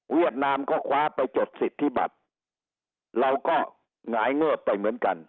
นามก็คว้าไปจดสิทธิบัติเราก็หงายเงิบไปเหมือนกัน